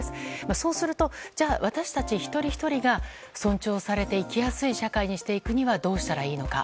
そうするとじゃあ私たち一人ひとりが尊重されて生きやすい社会にしていくにはどうしたらいいのか。